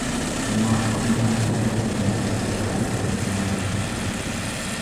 The mosque does not adhere to any specific branch of Islam.